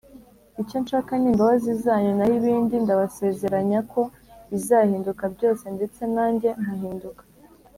icyo nshaka ni imbabazi zanyu, naho ibindi ndabasezeranya ko bizahinduka byose ndetse nanjye nkahinduka.